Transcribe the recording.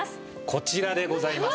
こちらでございます。